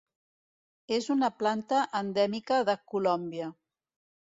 És una planta endèmica de Colòmbia.